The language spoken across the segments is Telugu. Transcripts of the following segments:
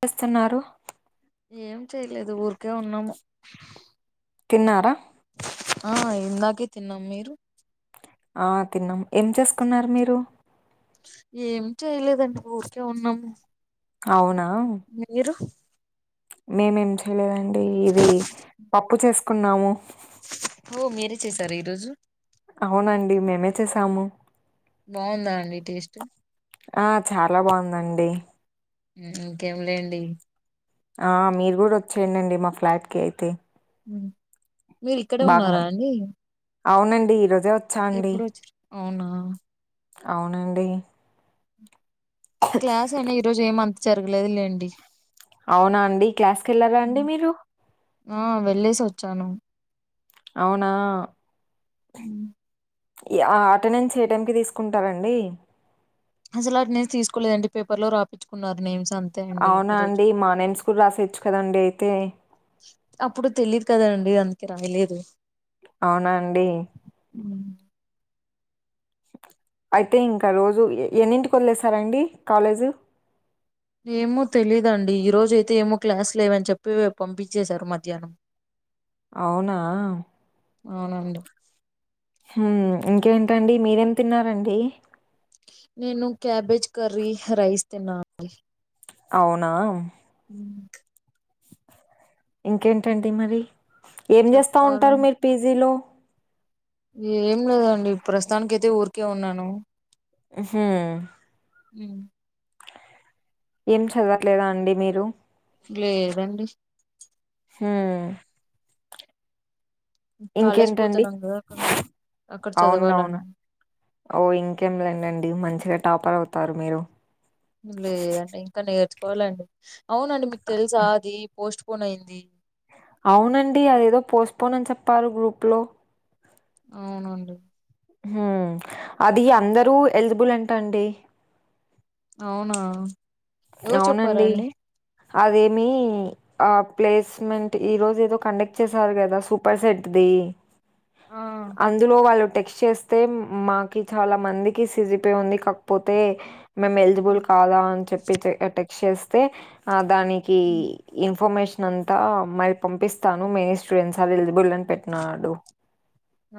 చేస్తున్నారు ఏం చేయలేదు ఊరికే ఉన్నాము తిన్నారా ఆ ఇందాకే తిన్నాం మీరు ఆ తిన్నాం ఏం చేసుకున్నారు మీరు ఏమి చేయలేదండి ఊరికే ఉన్నాం అవునా మీరు మేము ఏం చేయలేదండి ఇది పప్పు చేసుకున్నాము ఓ మీరే చేసారు ఈరోజు అవునండి మేమే చేసాము బావుందా అండి టేస్ట్ ఆ చాలా బావుందండి ఉహ్మ్ ఇంకేం లేండి ఆ మీరు కూడా వచ్చేయండండి మా ఫ్లాట్ కి అయితే మీరు ఇక్కడే బాగా ఉన్నారా మం అండి అవునండి ఈ రోజే వచ్చా అండి ఎప్పుడు వచ్చారు అవునా అవునండి క్లాస్ అయినా ఈరోజు ఏమంత జరగలేదు లేండి అవునా అండి క్లాస్కేళ్లారా అండి ఉమ్. మీరు ఆ వెళ్ళేసి వచ్చాను అవునా ఉమ్. యా అటెండెన్స్ ఏ టైమ్ కి తీసుకుంటారండి అసలు అటెండెన్స్ తీసుకోలేదండి పేపర్ లో రాపించుకున్నారు నేమ్స్ అన్ అవునా అండి మా నమ్స్ కూడా రాసేయచ్చు కదండి అయితే అప్పుడు తెలీయదు కదా అండి అందుకే రాయలేదు అవునా అండి హ్మ్ అయితే ఇంకా రోజు ఎన్నింటికి వదిలేస్తారండి కాలేజ్ ఏమో తెలీదండి ఈరోజైతే ఏమో క్లాస్ లేవని చెప్పి పంపించేశారు మధ్యాహ్నం [inaudible] అవునా అవునండి హ్మ్ ఇంకేంటండి మీరేం తిన్నారండి నేను క్యాబేజ్ కర్రీ రైస్ తిన్న అండి అవునా హమ్ ఇంకేంటండి మరి ఏం చేస్తూ చెప్పాలా ఉంటారు మీరు పీజీలో ఏం లేదండి ప్రస్తుతానికి అయితే ఊరికే ఉన్నాను ఉహు హ్మ్ ఏం చదవట్లేదా అండి మీరు లేదండి హుమ్ కాలేజ్ ఇంకేంటండి పోతున్నాం కదా అక్కడ అక్కడ చదవాలని అవునవును ఓ ఇంకేం లేండండి మంచిగా టాపర్ అవుతారు మీరు లేదండి ఇంకా నేర్చుకోవాలండి అవునండి మీకు తెలుస అది పోస్ట్ పోన్ అయింది అవునండి అదేదో పోస్ట్పోన్ అని చెప్పారు గ్రూప్లో అవునండి హుమ్ అది అందరూ ఎలిజిబుల్ అంట అండి అవునా ఎవరు అవునండి చెప్పారండి అదేమి ఆ ప్లేస్మెంట్ ఈ రోజు ఏదో కండక్ట్ చేసారు కదా సూపర్ సెట్ ది ఆ అందులో వాళ్ళు టెస్ట్ చేస్ మాకి చాలా మందికి సిజిపే ఉంది కాకపోతే మేము ఎలిజిబుల్ కాదా అని చెప్పి టెక్స్ చేస్తే దానికి హ్మ్. ఇన్ఫర్మేషన్ అంతా మల్లి పంపిస్తాను మెయిన్ స్టూడెంట్స్ ఎలిజిబుల్ అని పెట్టినాడు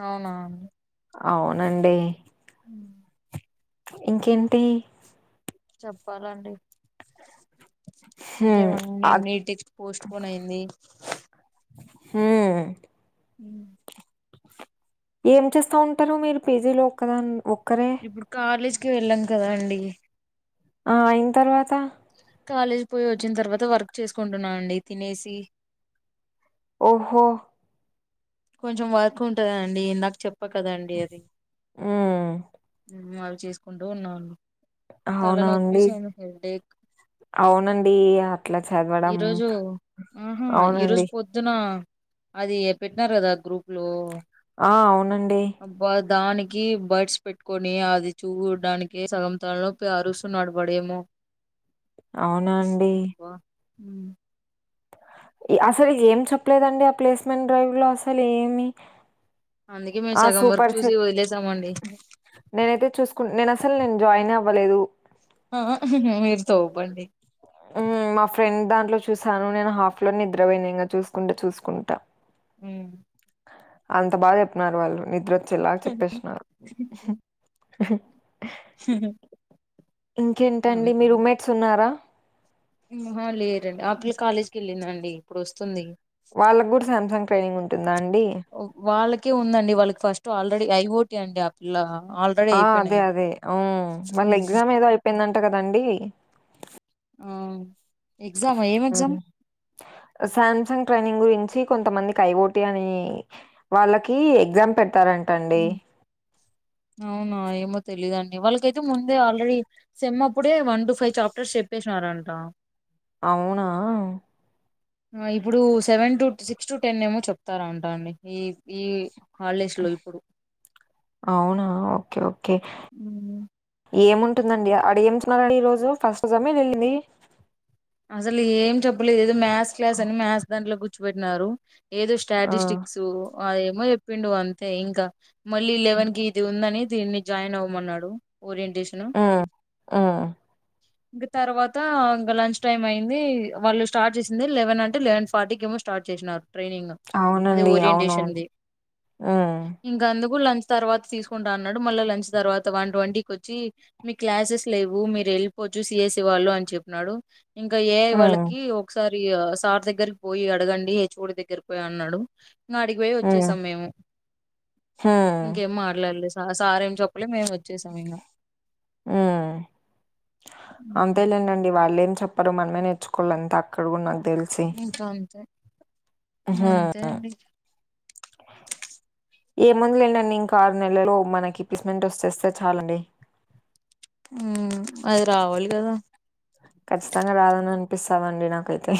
అవునా అవునండి ఉ ఇంకేంటి చెప్పాలండి హ్మ్ ఇంకేమన్నీ అద్ నీట్ టెక్స్ట్ పోస్ట్ పోన్ అయింది హుమ్ ఉ ఏం చేస్తా ఉంటారు మీరు పేజీ లో ఒక్కదాన్ ఒక్కరే కాలేజ్కి వెళ్ళాం కదా అండి ఆ అయిన తర్వాత కాలేజ్ పోయి వచ్చిన తర్వాత వర్క్ చేసుకుంటున్నా అండి తినేసి ఓహో కొంచెం వర్క్ ఉంటుందండి ఇందాక చెప్ప కదండి అది హ్మ్ అవి చేసుకుంటూ ఉన్నా తల అవునా అండి? నొప్పిసాంది హెడ్ ఏక్ అవునండి అట్ల ఈ చదవడం రోజు ఆహా ఈరోజు అవునండి పొద్దున అది పెట్టినారు కదా గ్రూప్ లో ఆ అవునండి దానికి బర్డ్స్ పెట్టుకొని అది చూడానికి సగం తలనొప్పి అరుసున్నాడు వాడేమో అవునా అండి? [unintelligible] అసలు ఏం చెప్పలేదండి ఆ ప్లేస్మెంట్ డ్రైవ్ లో అసలు ఏమి అందుకే మేము సగం వరకు చూసి వదిలేసామండి నేనైతే చూసుకు నేను అసలు నేను జాయిన్ అవ్వలేదు ఆ ఆ [unintelligible] మా ఫ్రెండ్ దాంట్లో చూసాను నేను హాఫ్ లో నిద్రపోయినా ఇంక చూసుకుంట చూసుకుంటా హుమ్ అంత బాగా చెప్పిన్నారు వాళ్ళు నిద్రొచ్చేలాగా చెప్పేసిన్నారు హ ఇంకేంటండి మీ రూమ్మేట్స్ ఉన్నారా మ్మ్ ఆహ లేరండి ఆ పిల్ల కాలేజీకి వెళ్ళింది అండి ఇప్పుడు వస్తుంది వాళ్ళకి కూడా శామ్సంగ్ ట్రైనింగ్ ఉంటుందా అండి వాళ్ళకే ఉందండి వాళ్ళకి first already I O T అండి ఆ ఇలా అల్రే ఆ అదే అదే ఊ మళ్ళీ ఉమ్. ఎగ్జామ్ ఏదో అయిపోయిందంట కదండి ఆ ఎగ్జామా ఏం హ్మ్. ఎగ్జామ్ సామ్సంగ్ ట్రైనింగ్ గురించి కొంతమంది ఐ ఓ టి అని వాళ్ళకి ఎగ్జామ్ పెడతారంటండి ఉమ్. అవునా ఏమో తెలీదండి వాళ్ళకైతే ముందే ఆల్రెడీ సెమ్మప్పుడే వన్ టు ఫైవ్ చాప్టర్స్ చెప్పేసినారంట అవునా ఆ ఇప్పుడు seven to six to ten ఏమో చెప్తారా అంటా అండి ఈ ఈ హాలిడేస్ లో ఇప్పుడు అవునా ఓకే ఓకే మ్మ్ ఏముంటుందండి ఆడ ఏమిచ్చినారండి ఈ రోజు ఫస్ట్ సెమ్మె వెళ్ళింది అసలు ఏం చెప్పలేదు ఏదో మ్యాథ్స్ క్లాస్ అని మ్యాథ్స్ దాంట్లో కూర్చపెట్టినారు ఏదో ఆ! స్ట్రాటిస్టిక్స్ అదేమో చెప్పిండు అంతే ఇంకా మళ్ళీ లెవెన్ కి ఇది ఉందని దీన్ని జాయిన్ అవ్వమన్నాడు ఓరియంటేషన్ ఆ ఆ ఇంక తర్వాత ఇంకా లంచ్ టైం అయింది వాళ్ళు స్టార్ట్ చేసిందే లెవెన్ అంటే లెవెన్ ఫార్టీ కి ఏమో స్టార్ట్ చేసినారు ట్రైనింగ్ అది అవునండి అవునవును మ్మ్ ఇంకా అందుకు లంచ్ తర్వాత తీసుకుంటా అన్నాడు మళ్ళీ లంచ్ తర్వాత వన్ ట్వంటీకి వచ్చి మీ క్లాసెస్ లేవు మీరు వెళ్ళిపోవచ్చు సి ఎస్ ఏ వాళ్ళు అని చెప్పినాడు ఇంకా ఏ ఐ హ్మ్. వాళ్ళకి ఒకసారి సార్ దగ్గరికి పోయి అడగండి హెచ్ ఓ డి దగ్గరికి పోయి అన్నాడు ఇంగ ఆడికి పోయి హ్మ్. వచ్చేసాం మేము హ్మ్. ఇంకేం మాట్లాడలేదు స సార్ ఏం చప్పలే మేము వచ్చేసాం ఇంగ మ్మ్ అంతేలేండండి వాళ్ళెం చెప్ పరు మనమే నేర్చుకోళ్ళ అంత అక్కడ నా ఇంక అంతే ఇంకా ఆహా అంతే ఆ అండి ఏముంది లెండండి ఇంకా ఆరు నెలలు మనకి పిస్మెట్ వస్తేస్తే చాలండి మ్మ్ అది రావాలి కదా ఖచ్చితంగా రాదని అనిపిస్తాందిండి నాకైతే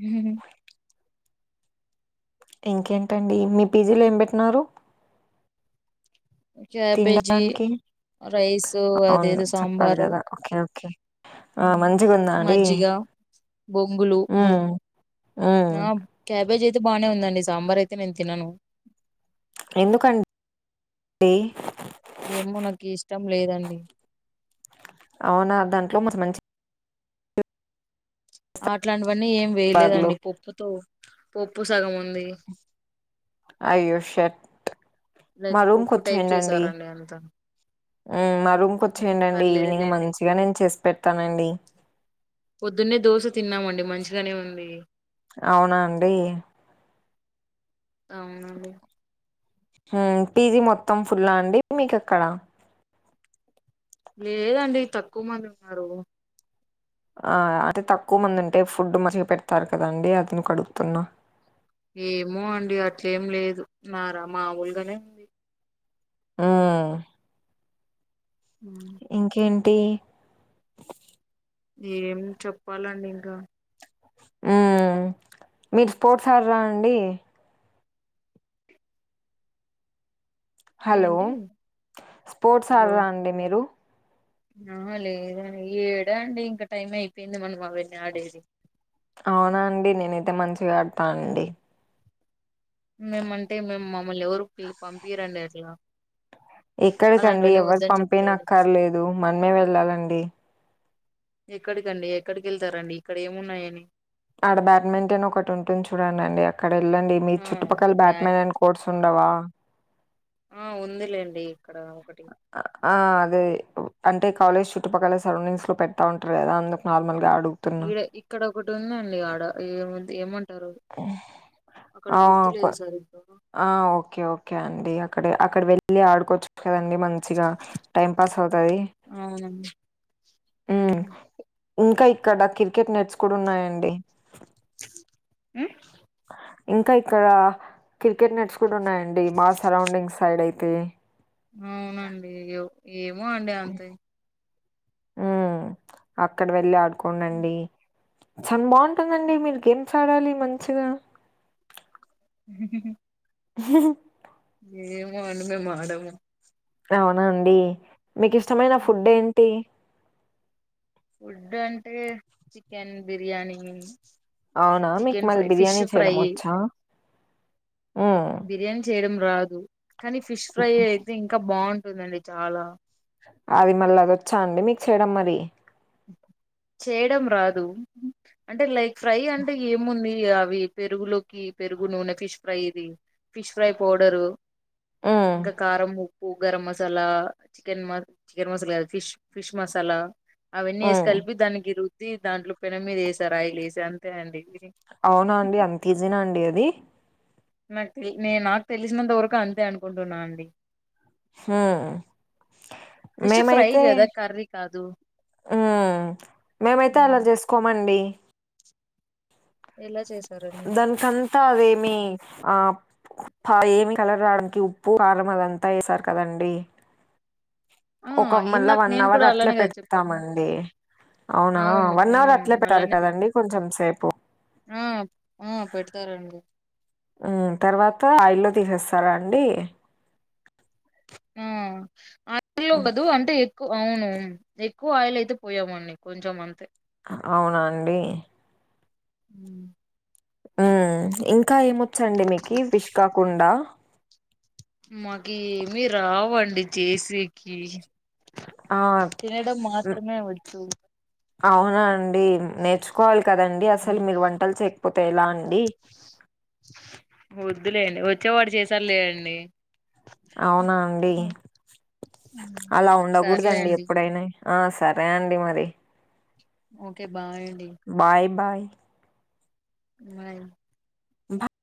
హ ఇంకేంటండి మీ పీ జీ లో ఏం పెట్టిన్నారు క్యాబేజీ తినడానికి రైస్ అవును అదేదో చెప్పాలి సాంబారు కదా ఓకే ఓకే ఆ ఉమ్, మంచిగా ఉందా అండి మజ్జిగ బొంగులు మ్మ్ మ్మ్ ఆ క్యాబేజ్ అయితే బానే ఉందండి సాంబార్ అయితే నేను తినను ఎందుకన్ డి ఏమో నాకు ఇష్టం లేదండి అవునా దాంట్లో మరి మంచి అట్లాంటివన్నీ ఏం బార్లు వేయలేదండి పప్పుతో పప్పు సగం ఉంది అయ్యో షట్ న మా రూమ్ కి పప్పు టైప్ చేసారండీ అంత ఉ రూంకి వచ్చేయండండి ఈవినింగ్ పర్లేదులేండి మంచిగా నేను చేసి పెడతానండి పొద్దున్నే దోశ తిన్నామండి మంచిగానే ఉంది అవునాండి అవునండి పీజీ మొత్తం ఫుల్ అండి మీకు అక్కడ లేదండి తక్కువ మంది ఉన్నారు ఆ అదే తక్కువమంది అంటే ఫుడ్ మంచిగా పెడతారు కదండి అందుకు అడుగుతున్నా ఏమో అండి అట్లేం లేదు నారా మామూలుగానే ఉంది ఉ ఉ ఇంకేంటి ఏం చెప్పాలండి ఇంకా మీరు స్పోర్ట్ ఆడరా అండి హలో ఏంటి స్పోర్ట్స్ ఆడరా అండి మీరు ఆ లేదండి ఏడా అండి ఇంకా టైం అయిపోయింది మనం అవన్నీ ఆడేది అవునా అండి నేనైతే మంచిగా ఆడతానండి మేము అంటే మేము మమ్మల్ని ఎవరి పిళ్ పంపిరండి అట్లా ఎక్కడికండి అలాంటివన్నీ ఎవరు వద్దని చెప్తారు పంపియనక్కర్లేదు మనమే వెళ్ళాలండి ఎక్కడికండి ఎక్కడికి వెళ్తారండి ఇక్కడ ఏమున్నాయని ఆక్కడ బ్యాడ్మింటన్ ఒకటి ఉంటుంది చూడండండి అక్కడ వెళ్ళండి మీ ఆ చుట్టుపక్కల బ్యాడ్ బ్యాట్మింటన్ కోర్ట్స్ ఆ ఉండవా ఆ ఉందిలేండి ఇక్కడ ఒకటి ఆ అదే అంటే కాలేజ్ చుట్టుపక్కల సరౌండింగ్స్ లో పెడతా ఉంటారు కదా అందుకు నార్మల్గాడు ఇక్కడ ఇక్కడ ఒకటి ఉందండి ఆడ ఏము ఏమంటారు అక్కడ ఆ కొ గుర్తులేదు సరి ఇప్పుడు ఆ ఓకే ఓకే అండి అక్కడ అక్కడ వెళ్ళి ఆడుకోవచ్చు కదండి మన మంచిగా టైం పాస్ అవుతుంది అవునా ఇంకా ఇక్కడ క్రికెట్ నేట్స్ కూడా ఉన్నాయండి ఉమ్? ఇంకా ఇక్కడ క్రికెట్ నేట్స్ కూడా ఉన్నాయండి మా సరౌండింగ్ సైడ్ అయితే అవునండి ఏమో అండి అంత ఉ అక్కడ వెళ్లి ఆడుకోండండి చాలా బాగుంటుందండి మీరు గేమ్స్ ఆడాలి మంచిగా హ ఏమో అండి మేము ఆడము అవునాండి మీకు ఇష్టమైన ఫుడ్ ఏంటి ఫుడ్ అంటే చికెన్ బిర్యానీ అవునా మీకు చికెన్ మళ్ళీ ఫ్రై ఫిష్ బిర్యానీ చేయడం ఫ్రై వచ్చా బిర్యానీ చేయడం రాదు కానీ ఫిష్ ఫ్రై అయితే ఇంకా బాగుంటుందండి చాలా అది మళ్ళీ అది వచ్చాండి మీకు చేయడం మరి చేయడం రాదు అంటే లైక్ ఫ్రై అంటే ఏముంది అవి పెరుగులోకి పెరుగు నూనె ఫిష్ ఫ్రై ఇది ఫిష్ ఫ్రై పౌడరు హ్మ్. కారము పూ గరం మసాలా చికెన్ మ చికెన్ మసాలా గాదు ఫిష్ ఫిష్ మసాలా అవన్నీ యెస్ హ్మ్. కల్పి దానికిరుద్ది దాంట్లో పెనం మీద యేసారు ఆయిలు యేసా అంతే అండి తిని అవునా అండి అంత ఈజీనా అండి అది మర్ తి నేను నాకు తెలిసినంత వరకు అంతే అనుకుంటున్నా అండి హా ఫిష్ ఫ్రై మేమైతే కదా కర్రీ కాదు ఆ మేమైతే అలా చేస్ కొమండి ఎలా చేస్ దాన్కంతా అదే మి ఆ ఏమి కలర్ రావడానికి ఉప్పు కారం అదంతా యేసార్ కదండి ఆ ఒక మళ్ళ ఇందాక వన్ నేను అవర్ కూడా అట్ల అలానే కదా చెప్పాను పెడ్తామండి అవునా అవును వన్ అవర్ అట్లే మ్ పెట్టారు అలానే పెట్టి కదండి కొంచెం సేపు ఆ ఆ పెడ్తారండి హ్మ్ తర్వాత ఆయిల్లో తీసేస్తారా అండి ఆ ఆయిల్ లొ కాదు అంటే ఎ ఎక్కు అవునవున్ ఎక్కువ ఆయిల్ అయితే పోయమండి కొంచెం అంతే అవునాండి హ్మ్. ఉమ్ ఇంకా ఏమొచ్చండి మీకి ఫిష్ కాకుండా మాకి ఏమి రావండి చేసేకి ఆ తినడం మాత్రమే వచ్చు అవునా అండి నేర్చుకోవాలి కదండి అసలు హ్మ్. మీరు వంటలు చేయక్పోతే ఎలా అండి వద్దులేండి వచ్చేవాడు చేసారు లేఅండి అవునా అండి అలా సర్లే ఉండకూడ్దండి అండి ఎప్పుడైనయ్ హ సరే అండి మరి ఓకే బాయ్ అండి బాయ్ బాయ్ బాయ్ బా